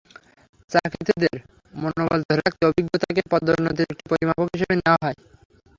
চাকরিরতদের মনোবল ধরে রাখতে অভিজ্ঞতাকে পদোন্নতির একটি পরিমাপক হিসেবে নেওয়া হয়।